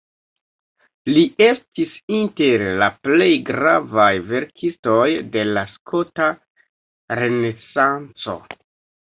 Li estis inter la plej gravaj verkistoj de la skota renesanco.